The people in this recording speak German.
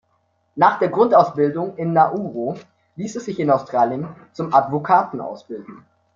Nach der Grundausbildung in Nauru ließ er sich in Australien zum Advokaten ausbilden.